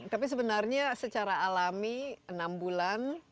tapi sebenarnya secara alami enam bulan